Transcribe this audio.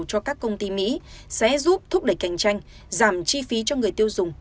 cho các công ty mỹ sẽ giúp thúc đẩy cạnh tranh giảm chi phí cho người tiêu dùng